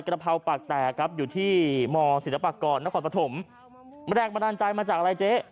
กระเพราปากแตกครับอยู่ที่มศิลปากรนครปฐมแรงบันดาลใจมาจากอะไรเจ๊